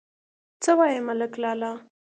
_څه وايې، ملک لالا!